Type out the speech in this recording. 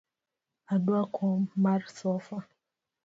Adwa kom mar sofa